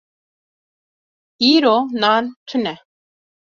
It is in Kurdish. Îro nan tune.